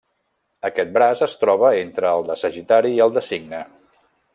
Aquest braç es troba entre el de Sagitari i el de Cigne.